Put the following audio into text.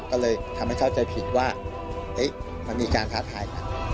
ก็เลยทำให้เข้าใจผิดว่ามันมีการท้าทายกัน